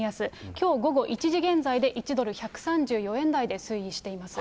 きょう午後１時現在で、１ドル１３４円台で推移しています。